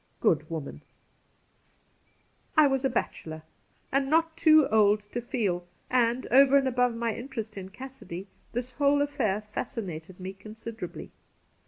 Good woman ! I was a bachelor, and not too old to feel ; and, over and above my interest in Cassidy, this whole affair fascinated me considerably.